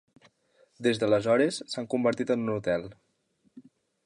Des d’aleshores, s'ha convertit en un hotel.